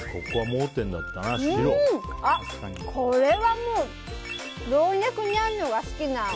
これはもう、老若男女が好きな。